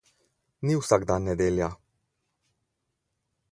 Ni vsak dan nedelja.